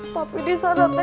tapi di sorotan gak ada ce yoyo